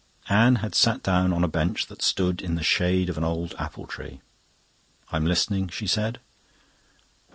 Anne had sat down on a bench that stood in the shade of an old apple tree. "I'm listening," she said.